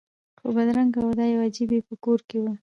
خو بدرنګه وو دا یو عیب یې په کور وو